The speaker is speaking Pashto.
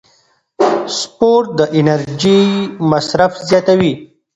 سپورت د انرژۍ مصرف زیاتوي.